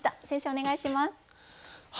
先生お願いします。